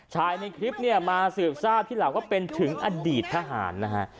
ในคลิปเนี่ยมาสืบทราบที่หลังว่าเป็นถึงอดีตทหารนะฮะ